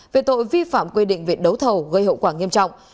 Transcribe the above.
về tội vi phạm quy định về đấu thầu gây hậu quả nghiêm trọng